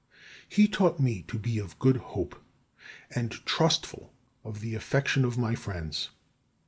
He taught me to be of good hope and trustful of the affection of my friends.